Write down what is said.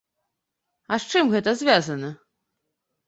А з чым гэта звязана?